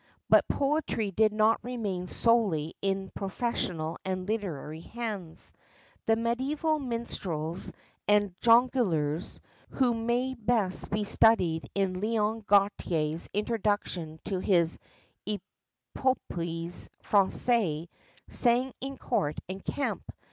But poetry did not remain solely in professional and literary hands. The mediæval minstrels and jongleurs (who may best be studied in Léon Gautier's Introduction to his Epopées Françaises) sang in Court and Camp.